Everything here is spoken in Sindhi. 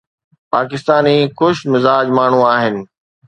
پاڪستاني خوش مزاج ماڻهو آهن.